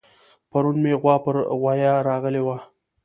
پرون مې غوا پر غوايه راغلې وه